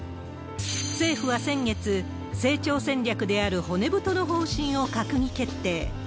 政府は先月、成長戦略である骨太の方針を閣議決定。